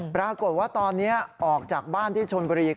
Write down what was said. ปรากฏว่าตอนนี้ออกจากบ้านที่ชนบุรี